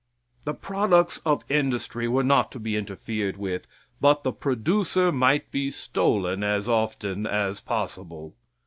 The products of industry were not to be interfered with, but the producer might be stolen as often as possible.